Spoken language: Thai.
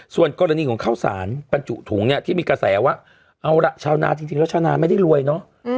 ส่วนกรณีของข้าวสารบรรจุถุงเนี่ยที่มีกระแสว่าเอาล่ะชาวนาจริงแล้วชาวนาไม่ได้รวยเนอะ